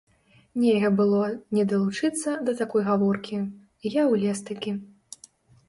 Нельга было не далучыцца да такой гаворкі, і я ўлез-такі.